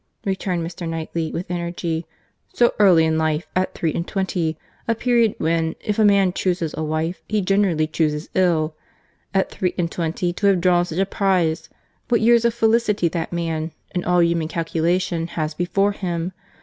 returned Mr. Knightley, with energy. "So early in life—at three and twenty—a period when, if a man chuses a wife, he generally chuses ill. At three and twenty to have drawn such a prize! What years of felicity that man, in all human calculation, has before him!